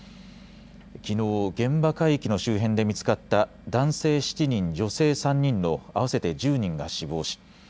きのう現場海域の周辺で見つかった男性７人人女性３人の合わせて１０人が死亡し